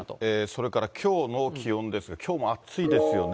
それからきょうの気温ですが、きょうも暑いですよね。